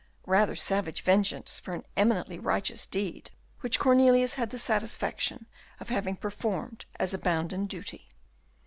Rather savage vengeance for an eminently righteous deed, which Cornelius had the satisfaction of having performed as a bounden duty.